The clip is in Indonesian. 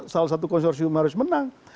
salah satu konsorsium harus menang